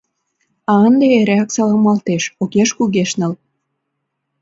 А ынде эреак саламлалтеш, огеш кугешныл.